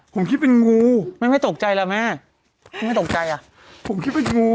ผมคิดเป็นงูแม่ไม่ตกใจแล้วแม่แม่ตกใจอ่ะผมคิดว่างู